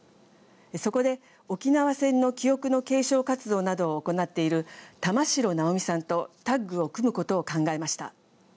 そこで、沖縄戦の記憶の継承活動などを行っている玉城直美さんとタッグを組むことを考えました。